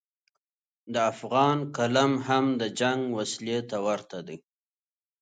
د افغان قلم هم د جنګ وسلې ته ورته دی.